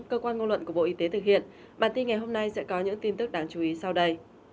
cơ quan ngôn luận của bộ y tế thực hiện bản tin ngày hôm nay sẽ có những tin tức đáng chú ý sau đây